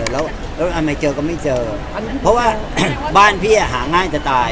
แล้วแล้วอันไหนเจอก็ไม่เจอเพราะว่าบ้านพี่อ่ะหาง่ายจะตาย